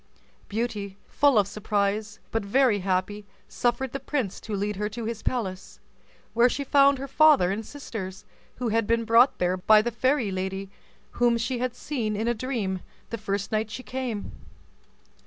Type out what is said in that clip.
Beauty, full of surprise, but very happy, suffered the prince to lead her to his palace, where she found her father and sisters, who had been brought there by the fairy lady whom she had seen in a dream the first night she came.